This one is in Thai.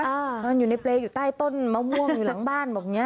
นอนอยู่ในเปรย์อยู่ใต้ต้นมะม่วงอยู่หลังบ้านแบบเนี้ย